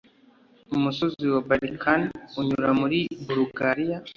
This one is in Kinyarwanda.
Umusozi wa Balkan unyura muri Bulugariya